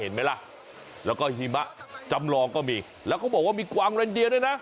เห็นไหมล่ะแล้วก็หิมะจำลองก็มีแล้วเขาบอกว่ามีกวางเรนเดียด้วยนะ